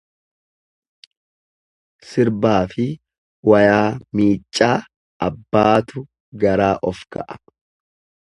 Sirbaafi wayaa miiccaa abbaatu garaa of ga'a.